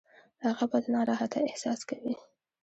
هغه به د ناراحتۍ احساس کوي.